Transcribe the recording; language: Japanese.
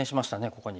ここに。